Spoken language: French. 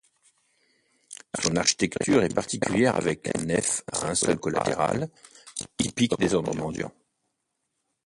Son architecture est particulière avec nef à un seul collatéral, typique des ordres mendiants.